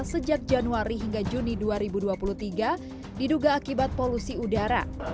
sejak januari hingga juni dua ribu dua puluh tiga diduga akibat polusi udara